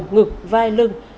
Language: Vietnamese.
ngực vai lưng